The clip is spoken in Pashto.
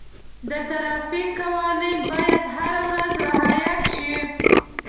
د ټرافیک قوانین باید هره ورځ رعایت شي.